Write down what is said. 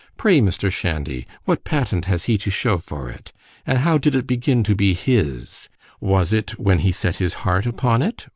Pray, Mr. Shandy, what patent has he to shew for it? and how did it begin to be his? was it, when he set his heart upon it?